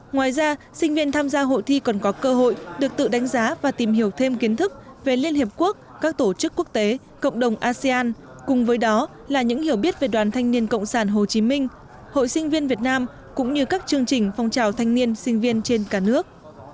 ngoài ra sinh viên tham gia hội thi còn có cơ hội được tự đánh giá và tìm hiểu thêm kiến thức về liên hiệp quốc các tổ chức quốc tế cộng đồng asean cùng với đó là những hiểu biết về đoàn thanh niên cộng sản hồ chí minh hội sinh viên việt nam cũng như các chương trình phong trào thanh niên sinh viên trên cả nước